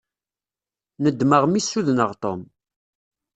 Nedmeɣ mi ssudneɣ Tom.